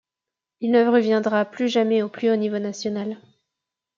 Il ne reviendra plus jamais au plus haut niveau national.